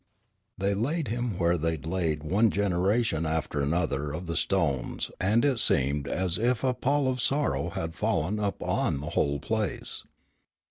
They laid him where they had laid one generation after another of the Stones and it seemed as if a pall of sorrow had fallen upon the whole place.